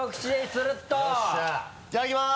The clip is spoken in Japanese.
いただきます。